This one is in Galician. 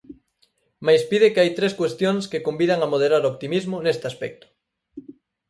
Mais pide que hai tres cuestións que convidan a moderar o optimismo neste aspecto.